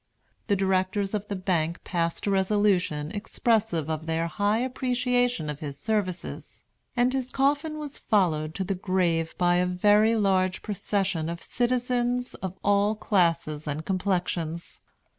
The directors of the bank passed a resolution expressive of their high appreciation of his services, and his coffin was followed to the grave by a very large procession of citizens of all classes and complexions.